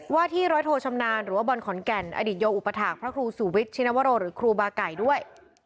ว่าที่ร้อยโทชำนาญหรือว่าบอลขอนแก่นอดีตโยอุปถาคพระครูสูวิทย์ชินวโรหรือครูบาไก่ด้วย